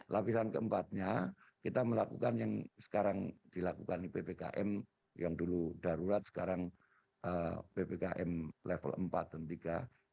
lapisan ke empat nya kita melakukan yang sekarang dilakukan ppkm yang dulu darurat sekarang ppkm level empat dan tiga